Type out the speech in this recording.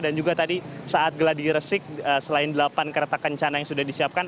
dan juga tadi saat geladir resik selain delapan kereta kencana yang sudah disiapkan